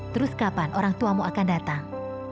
terus kapan orang tuamu akan datang